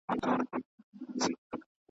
باران د کروندو حاصل زیاتوي.